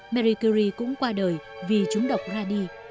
marie curie cũng qua đời vì trúng độc radi